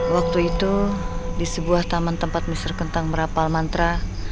waktu itu di sebuah taman tempat mr kentang merapal mantra